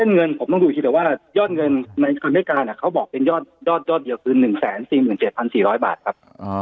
เงินผมต้องดูอีกทีแต่ว่ายอดเงินในคำให้การเขาบอกเป็นยอดเดียวคือ๑๔๗๔๐๐บาทครับ